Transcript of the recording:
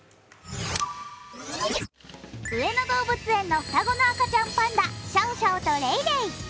上野動物園の双子の赤ちゃんパンダ、シャオシャオとレイレイ。